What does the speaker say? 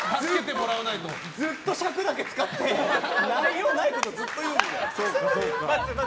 ずっと尺だけ使って内容のないことをずっと言うので。